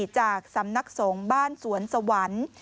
จากสำนักสงฆ์บ้านสวนสวรรค์